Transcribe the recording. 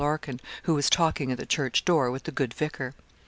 Larkin, who was talking at the church door with the good vicar.